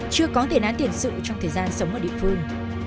chưa có tiền án tiền sự trong thời gian sống ở địa phương